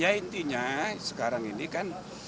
ya intinya sekarang ini kan